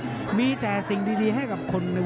กระหน่าที่น้ำเงินก็มีเสียเอ็นจากอุบลนะครับ